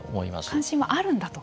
関心はあるんだと。